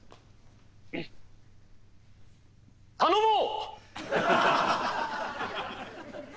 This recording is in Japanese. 頼もう！